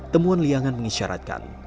temuan liangan mengisyaratkan